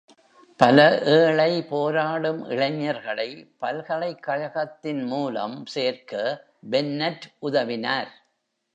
பல ஏழை, போராடும் இளைஞர்களை பல்கலைக்கழகத்தின் மூலம் சேர்க்க பென்னட் உதவினார்.